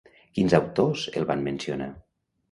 Quins autors el van mencionar?